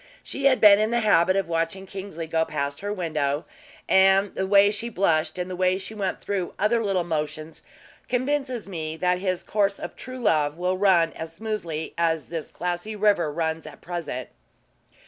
She had been in the habit of watching Kingsley go past her window; and the way she blushed, and went through the other little motions, convinces me that his course of true love will ran as smooth as this glassy river runs at present."